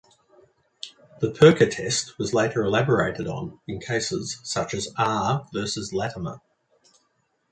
The Perka test was later elaborated on in cases such as "R. versus Latimer".